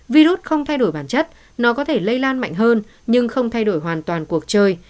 virus không thay đổi bản chất nó có thể lây lan mạnh hơn nhưng không thay đổi hoàn toàn cuộc chơi